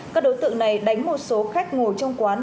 các đối tượng này đánh một số khách ngồi trong quán